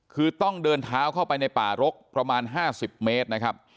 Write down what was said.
คือต้องเดินเท้าเข้าไปในป่ารกประมาณ๕๐เมตรนะครับ